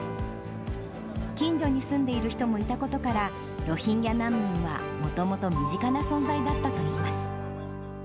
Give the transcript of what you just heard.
近所に住んでいる人もいたことから、ロヒンギャ難民はもともと身近な存在だったといいます。